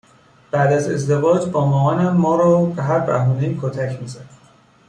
بعد از ازدواج با مامانم ما رو به هر بهونه ای کتک می زد